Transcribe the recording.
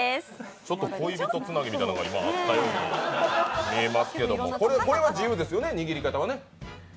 ちょっと恋人つなぎみたいのが見えますけどこれは自由ですよね、握り方はね。